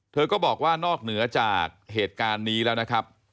เธอก็บอกว่านอกเหนือจากเหตุการณ์นี้แล้วนะครับ